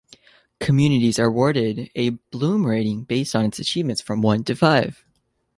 Communities are awarded a "Bloom Rating" based on its achievements from one to five.